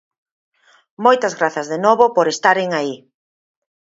Moitas grazas de novo por estaren aí.